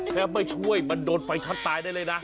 ไม่ช่วยมันโดนไฟช็อตตายได้เลยนะ